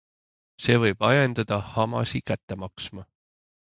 See võib ajendada Hamasi kätte maksma.